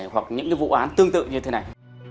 hoặc những cái vụ án tương tự như thế này